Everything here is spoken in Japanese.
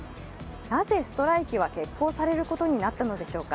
なぜ、ストライキは決行されることになったのでしょうか。